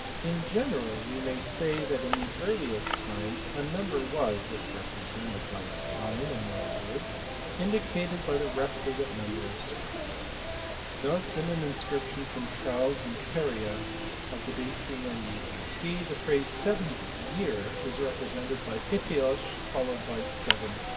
, In general we may say that in the earliest times a number was (if represented by a sign and not a word) indicated by the requisite number* of strokes. Thus in an inscription from Tralles in Caria of the date 398 B.C. the phrase seventh year is represented by creos |||||||.